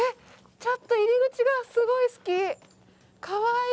ちょっと入り口がすごい好き。